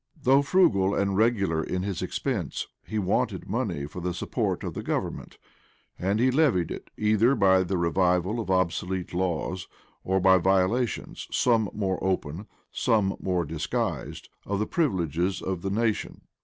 Though frugal and regular in his expense, he wanted money for the support of government; and he levied it, either by the revival of obsolete laws, or by violations, some more open, some more disguised, of the privileges of the nation.